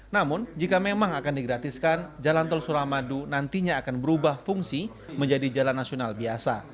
namun jika memang akan digratiskan jalan tol suramadu nantinya akan berubah fungsi menjadi jalan nasional biasa